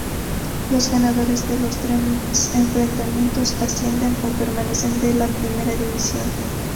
Los ganadores de los tres enfrentamientos ascienden o permanecen en la Primera División.